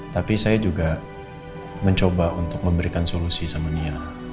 tapi saya juga mencoba untuk memberikan solusi sama dia